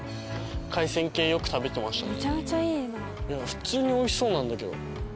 普通においしそうなんだけど。